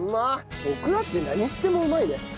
オクラって何してもうまいね。